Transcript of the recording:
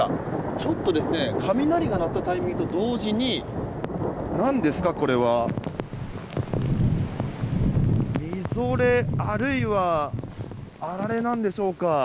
ちょっと雷が鳴ったタイミングと同時に何ですか、これは。みぞれ、あるいはあられなんでしょうか。